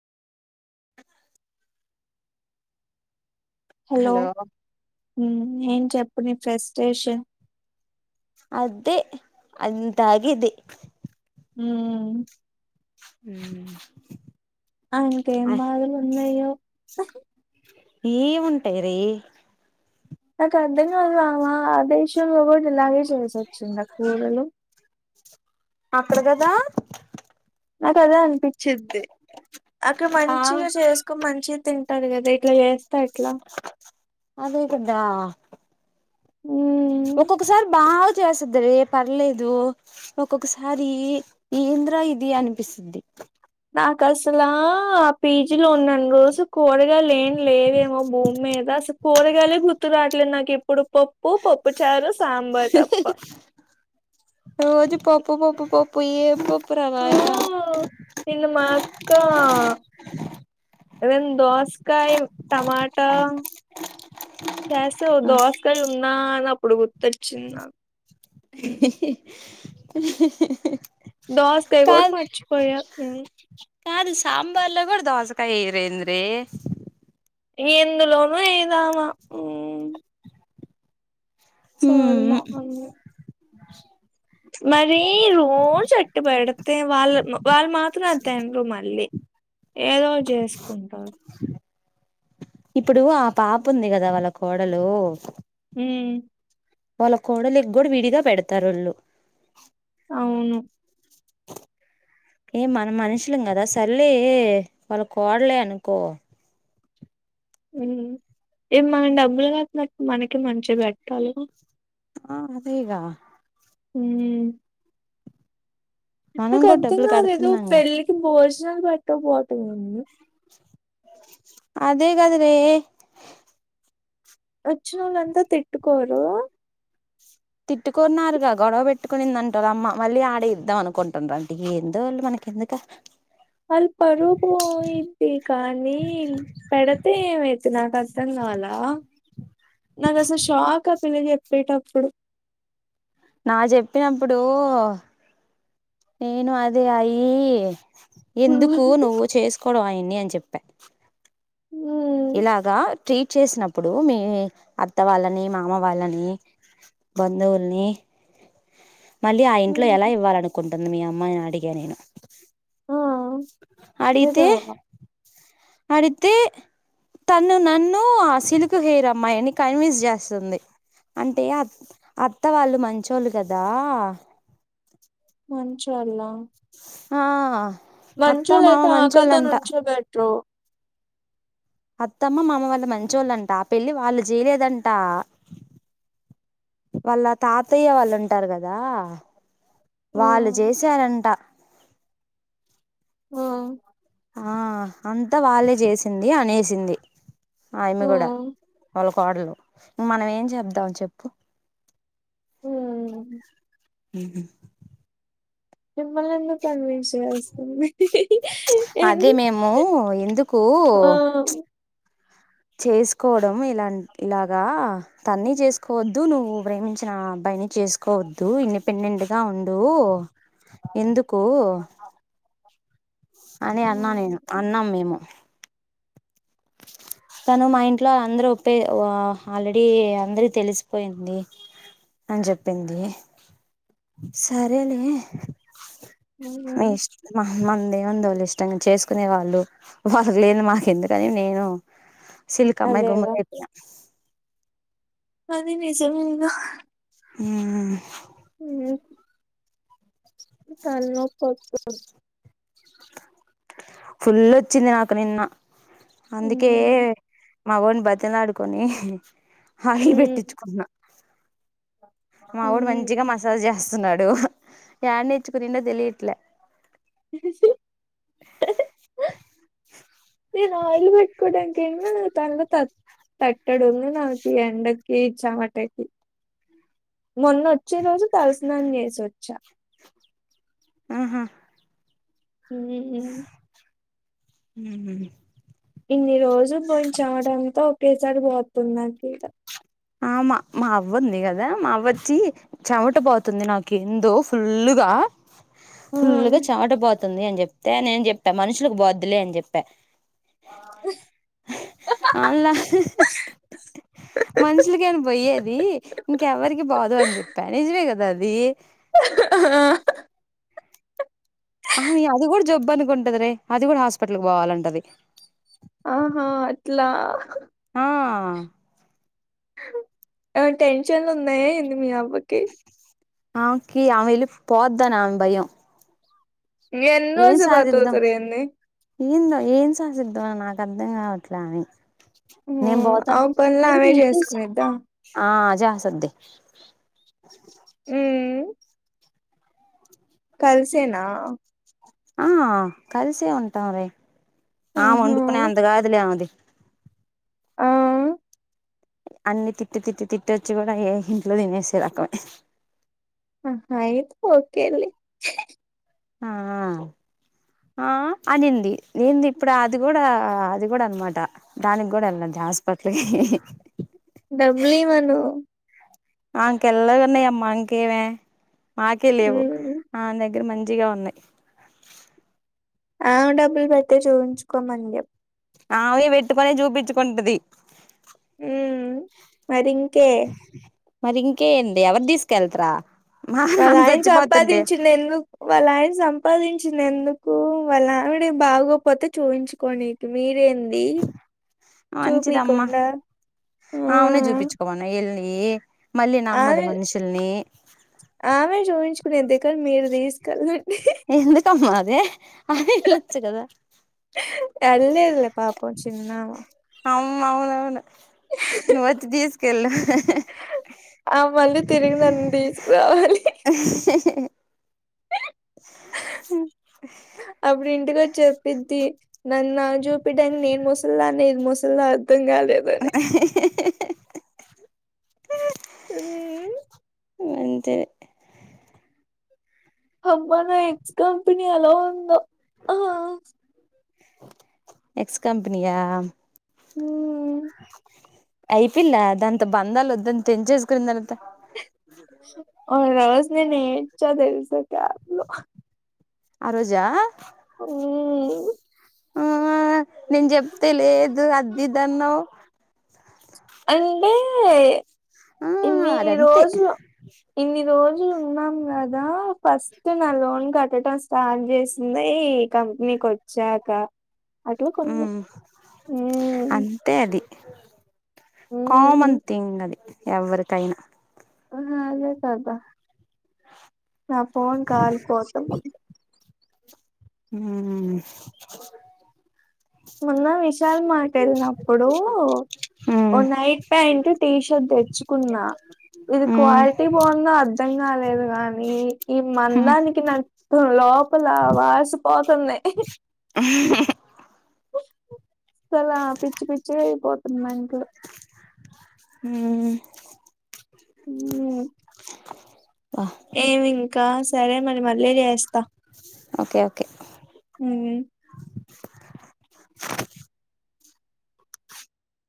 [inaudible] Hello మ్మ్ ఏం చెప్పు నీ ఫ్రస్టేషన్ అదే అంతగిది మ్మ్ మ్మ్ ఆ ఇంకా ఎన్ని రోజులు ఉన్నాయో ఈ ఉంటయి రీ నాకు అర్థం కాదు ఆమ ఆ దేశంలో కూడా ఇలాగే చేసి వచ్చింద కూరలు అక్కడ కదా నాకు అదే అనిపిచిద్ది అక్కడ ఆ మంచిగా చేసుకు మంచిగా తింట టది కదా ఇట్లా చేస్ అదే కద హ్మ్ ఒక్కొక్కసారి బా చేసిద్ది రీ పర్లేదు ఒక్కొక్కసారి ఈ ఈ ఎందిరా ఇది అనిపిస్తుంది నాకసల పీ జీ లో ఉన్నన్ని రోజు కూరగాయలు ఏం లేవేమో భూమి మీద అసలు కూరగాయలే గుర్తు రాట్లే నాకు కెప్పుడు పప్పు పప్పు చారు సాంబార్ తప్ప ప్పు పప్పు పప్పు ఏం పప్ ఆ నిన్న మా అక్క రెన్ దోసకాయ టమాట చేస్తూ దోసగాయలు ఉన్నా అని అప్పుడు గుర్తొచ్చింది దోసకాయ కూడా కాద్ మర్చిపోయా నేను కాద్ సాంబార్లో కూడా దోసకాయ ఎయ్యరు ఏంది రే ఎందులోనూ ఏదామా ఉమ్ సరిమా అన్ మరి రోజు అట్ పెడితే వాళ్ళ వాళ్ళు మాత్రం అది తిండ్రు మళ్ళీ ఏదో చేసుకుంటారు ఇప్పుడు ఆ పాప ఉంది కదా వాళ్ళ కోడలు మ్మ్ వాళ్ళ కోడలికి గుడా విడిగా పెడతారు వోళ్ళు అవును యే మనం మనుషులు కదా సర్లే వాళ్ళ కోడలే అనుకో ఉ యే మనం డబ్బులు కట్టినప్పుడు మనకే మంచిగా గట్టాల. ఆ అదేగా ఊ మనం నాకు కూడా అర్థం డబ్బులు కాలేదు కడుతున్నాంగా పెళ్ళికి భోజనాలు పెట్టకపోవటం ఏంది. అదే కాదా వే వచ్చినొళ్ళంతా తిట్టుకోరు తిట్టుకున్నారుగా గొడవ పెట్టుకునిందంటా అమ్మ మళ్ళీ ఆడే ఇద్దాం అనుకుంటున్నారు అంటా, ఎందో వాళ్ళు మనకి కెందుకా వాళ్ళు పరువు పోయిద్ది కానీ పెడతే ఎమ్ యిద్ది నాకు అర్థం కాలా నాకు అసలు షాక్ పిల్ల చెప్పేటప్పుడు నా చెప్పినప్పుడు నేను అదే అయి ఎందుకు నువ్వు చేసుకోవడం ఆయన్ని అని చెప్పా ఉ ఇలాగా ట్రీట్ చేసినప్పుడు మీ అత్త వాళ్ళని మామ వాళ్ళని బంధువుల్ని మళ్ళీ ఆ ఇంట్లో ఎలా హ్మ్ ఇవ్వాలనుకుంటుంది మీ అమ్మ అని అడిగే నేను. ఆ అడితే నిజమేగా అడితే తను నన్ను సిలుకు హెయిర్ అమ్మాయిని కన్విన్స్ చేస్తది. అంటే అ అత్త వాళ్ళు మంచోళ్ళు కదా మంచోళ్ళ ఆ అత్తా మంచోళ్ళు మామ అయితే ఆకలితో మంచొళ్ళంట నుంచోబెట్రు అత్తమ్మ మామ వాళ్ళు మంచిల్లోంట ఆ పెళ్లి వాళ్ళు చేయలేదంట. వాళ్ళ తాతయ్య వాళ్ళు ఉంటారు కదా వాళ్ళు హ్మ్ చేసారంట. ఓ ఆ అంతా వాళ్ళే చేసింది అనేసింది ఆమ్మే కూడా హ్మ్ వాళ్ళక్ కోడలు ఇంక మనం ఏం చెప్దాం చెప్పు ఊ ఉహు మిమ్మల్ని ఎందుకు కన్విన్స్ చేస్తంది ఎన్ అదే మేము ఎందుకు ఆ చేసుకోవడం ఇలా ఇలాగా తన్ని చేసుకోవద్దు నువ్వు ప్రేమించిన అబ్బాయిని చేసుకోవద్దు ఇండిపెండెంట్గా ఉండు ఎందుకు అని అన్నా హ్మ్. నేను అన్నాం మేము తను మా ఇంట్లో అందరు ఒప్పే ఆల్రెడీ అందరి తెలిసిపోయింది. అని చెప్పింది సరేలే ఉ ఉ మందేముంది వాళ్ళు ఇష్టంగా చేసుకునే వాళ్ళు వాళ్ళ లేని మాకేందుకని నేను శిల్క్ అమ్మాయి గమ్మున అదేగా అయిపోయా అది నిజమేగా ఉ ఉ కళ్ళునొప్పి వత్తాది ఫుల్లొచింది నాకు నిన్న అందుకే హ్మ్. మా వొన్ని బతిమిలాడుకొని ఆయిల్ హ్మ్. పెట్టించుకున్నా. మా వోడు హ్మ్. మంచిగా మసాజ్ చేస్తున్నాడు యాడా నేర్చుకునిన్నో తెలిదు. ట్లా [inaudible] [unintelligible] న నా ఇల్ బట్కుడాంకేమ తనమతాతు తట్టడుంద నవకి ఎండకే ఇచ్చామటకి మొన్న వచ్చే రోజు తలసనాన్ని చేసివొచ్చా ఆహా హ హమ్ ఇన్ని రోజులు పోయించ చమట అంతా ఒకేసారి పోతున్నాడ ఆ మా అవ్వంది కదా మా అవ్వ వచ్చి చెమట పోతుంది నాకు ఎందో ఫుల్ గా ఆ! ఫుల్గా చామట పోతుంది అని చెప్తే నేను చెప్పా మనుషులకు బొద్దులే అని చెప్పా అలా ఎందుకనా పోయేది ఇంకెవరికి బాదు అని చెప్పా నిజమే కదా అది ఆ అది కూడా జబ్బు అనుకుంటది రే అది కూడా హాస్పిటల్ పోవాలంటది ఆహా అట్లా ఆ ఆ టెన్షన్ ఉన్నాయ ఏ మీ అ అవ్వకి అకి అ వెళ పోదుదానేన్ భయంయం ఎన్ని ఏన్ రోజులు సాధిద్దాం బతుకుతరు ఏంది ఏంద ఏన్ సాధద్ద న నా అర్ధం కావట్లే ఆమె నే మ్మ్ ఆమె పనులు ఆమె చేసుకునిద్దా జ సద్దే అ కల్సేనా ఆ కలిసే ఉంటాం ర ఆ ఆహా వండుకునే అంతగాదులేముది ఆ అన్ని తిట్టి తిట్టి తిట్టిచ్చి కూడా ఏ ఇంట్లో తినేసే రకమే ఆ ఆయితే ఓకే లే ఆ ఆ అనింది నేను ఇప్పుడు అది కూడా అది కూడా అనమాట దానికి కూడా వెళ్ళది హాస్పిటల్ డబ్బులు ఇవ్వను ఆంకెళ్ళగాన్నాయ అమ్మా ఇంకేవే మాకే లేవు మ్మ్ ఆ దగ్గర మంచి మంచిగా ఉన్నాయి ఆ డబ్బులు పెడితే చూపించుకోమం ఆవే పెట్టుకొనే చూపించుకుంటది ఉ మరింకే మరి ఇంకేడి ఎవరు తీసుకెళ్తరా వాళ్ళ ఆయన సంపాదించింది ఎందుకు వాళ్ళ ఆయన సంపాదించి వచ్చిన ఎందుకు వాళ్ళ ఆవిడ బాగోపోతే చూపించుకోనినికి మీరేంది మంచిదమ్మా చూపికుండా ఆ ఆమెని చూపించుకోను ఎళ్ళ మళ్ళీ నమ్మదు ఆమె మనుషుల్ని ఆమె చూయించుకునేది మీరు తీసుకెళ్లండి ఎందుకమ్మా అదే ఆ ఇలు వచ్చ కదా వెళ్ళలేదులే పాపం చిన్నామ అవుమ్ అవున అవును నువ్వు వచ్చ తీసుకెళ్ళు ఆ మళ్ళీ తిరిగి నన్ను తీసుకురావాలి [unintelligible] అప్పుడి ఇంటికి చెప్పిద్ది నన్ను చూపిడానికి నేను ముసలిదా నేను ముసలి అధంగాలదనే మ్మ్ అంతే అబ్బానా ఇట్ కంపెనీ ఎలా ఉందో ఎక్స్ కంపెనీయా మ్మ్ అయిపొయిందా దాంతో బంధాలు వొద్దని తెంచేస్ అవరవర్స్ నేనేచ్చ దెల్సా క్లాస్లో ఆరోజా మ్మ్ ఆ నేను చెప్తే లేదు అద్దిదన్నవు అండే ఆ ఇన్ని అదంతే రోజులు ఇన్ని రోజులు ఉన్నాం గదా ఫస్ట్ నా లోన్ కట్టడం స్టార్ట్ చేసింది ఈ కంపెనీ కొచ్చాకా ఉమ్ మ్మ్. అంతే అది మ్మ్. కామన్ థింగ్ అది ఎవ్వరికైనా అహాదే కద నా ఫోన్ కాల్ కోసం ఉమ్ మొన్న విశాల్ మాట్ ఎళ్ళ్ నప్పుడు ఓ ఉమ్ నైట్ ప్యాంట్ టీ షర్ట్ దెచ్చుకున్నా ఇది ఉమ్ క్వాలిటీ బాగుందా గాలేదు గానీ ఈ ఉమ్ మందానికి నక్కు లోపల వాసిపోతుంది ఆ పిచ్చి పిచ్చి గైపోతుందనుకో ఉమ్ ఏమింకా సరే మరి మళ్ళీ చేస్ ఓకే ఓకే ఉమ్. [inaudible]